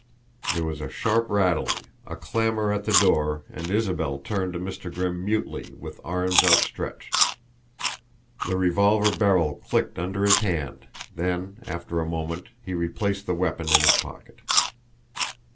There was a sharp rattling, a clamor at the door, and Isabel turned to Mr. Grimm mutely, with arms outstretched. The revolver barrel clicked under his hand, then, after a moment, he replaced the weapon in his pocket.